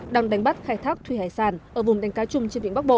đang đánh bắt khai thác thủy hải sản ở vùng đánh cá chung trên vĩnh bắc bộ